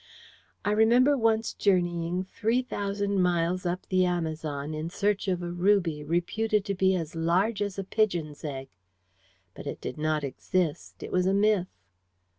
I remember once journeying three thousand miles up the Amazon in search of a ruby reputed to be as large as a pigeon's egg. But it did not exist it was a myth."